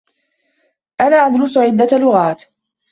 أنا أدرس عدّة لغات.